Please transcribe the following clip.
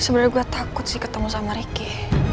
sebenarnya saya takut ketemu ricky